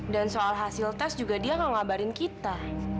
dan soal hasil tes juga dia gak ngabarin kita